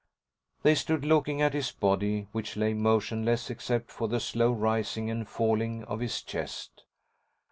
They stood looking at his body, which lay motionless except for the slow rising and falling of his chest.